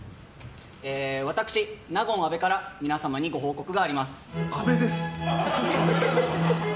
私、納言、安部から皆様にご報告があります。